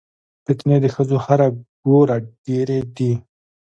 فتنې د ښځو هر ګوره ډېرې دي